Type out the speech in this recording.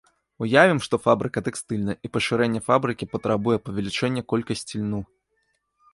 Уявім, што фабрыка тэкстыльная, і пашырэнне фабрыкі патрабуе павелічэння колькасці льну.